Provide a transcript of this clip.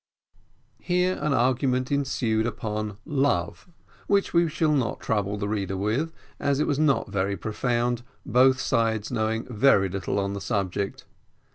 Here an argument ensued upon love, which we shall not trouble the reader with, as it was not very profound, both sides knowing very little on the subject.